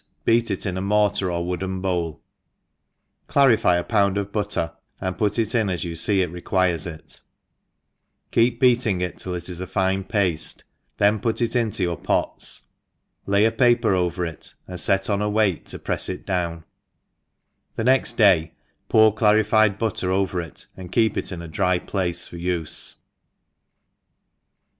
beat it in a mortar or wpoden bowl, clarify a pound of butter, ^nd put it in as you fee it re« quires it, keep beating it till it is a fine paftei then put it into ycfur pots^ lay a paper over it, ^nd fet on a weight to prefs it down ^ the next day pour clarified butter over it, and keep it io a dry place for ufe.